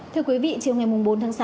thưa quý vị chiều ngày bốn tháng sáu